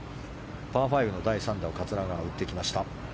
パー５の第３打桂川、打っていきました。